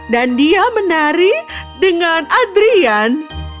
dan dia menari dengan adrian